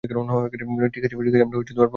ঠিক আছে, আমরা প্রকল্পের কোথায় আছি?